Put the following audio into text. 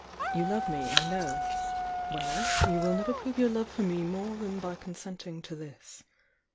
You love me, I know, — well, you will never prove your love for me more than by consent ing to this.